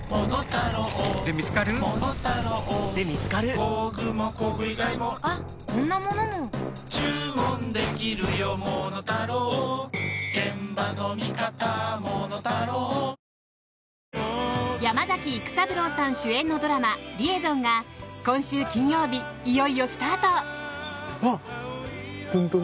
東京海上日動山崎育三郎さん主演のドラマ「リエゾン」が今週金曜日、いよいよスタート。